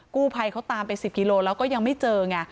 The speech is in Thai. กู้ภัยเขาตามไป๑๐กิโลแล้วก็ยังไม่เจอไง